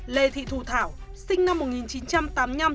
lê thị thu thảo sinh năm một nghìn chín trăm tám mươi năm